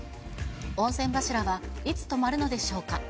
温泉柱はいつ止まるのでしょうか。